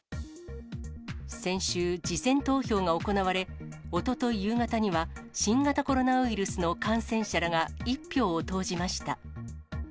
先週、事前投票が行われ、おととい夕方には新型コロナウイルスの感染者らが１票を投じました。